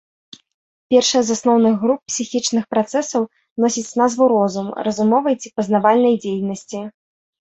Першая з асноўных груп псіхічных працэсаў носіць назву розум, разумовай ці пазнавальнай дзейнасці.